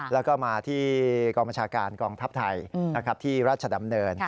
แล้วก็มาที่กองบัญชาการกองทัพไทยที่ราชดำเนิน